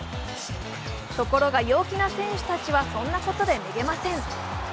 ところが陽気な選手たちはそんなことでめげません。